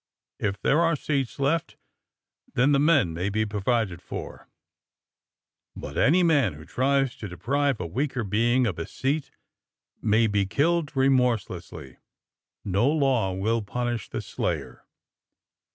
'' If there are seats left then the men may be provided for. But any man who tries to deprive a weaker being of a seat may be killed remorselessly. No law will punish the slayer!